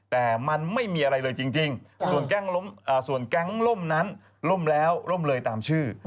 แต่มันไม่มีอะไรเลยจริงส่วนแก๊งล่มนั้นล่มแล้วล่มเลยตามชื่อ